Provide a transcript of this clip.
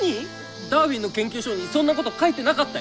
ダーウィンの研究書にそんなこと書いてなかったよ！